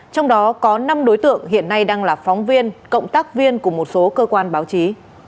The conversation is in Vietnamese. trong đó có năm đối tượng hiện nay đang là phóng viên cộng tác viên của một số cơ quan báo chí